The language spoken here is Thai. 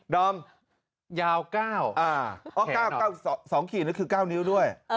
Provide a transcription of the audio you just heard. ดอมยาว๙แขนอ่ะอ๋อ๙สองขี่นึกคือ๙นิ้วด้วย